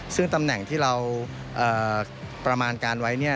ซึ่งตำแหน่งที่เราประมาณการไว้